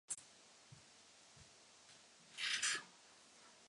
Také dokázali zpracovávat mléko.